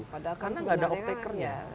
padahal kan sebenarnya tidak ada uptackernya